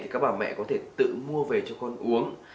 các bà mẹ có thể tự mua về cho con uống